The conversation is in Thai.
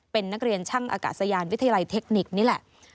เป็นนักเรียนช่างอากาศยานวิทยาลัยเทคนิคนี่แหละ